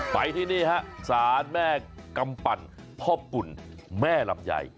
ไปที่นี่ฮะศาลแม่กำปั่นพ่อปุ่นแม่ลำไย